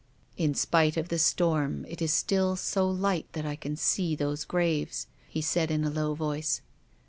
" In spite of the storm it is still so light that I can see tiiosc graves," he said in a low voice.